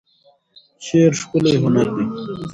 شعر ښکلی هنر دی.